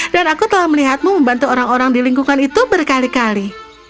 dan aku telah melihatmu membantu orang orang di lingkungan itu berkali kali